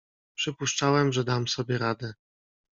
"Przypuszczałem, że dam sobie radę."